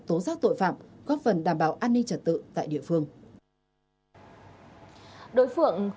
phát hiện tố giác tội phạm góp phần đảm bảo an ninh trật tự tại địa phương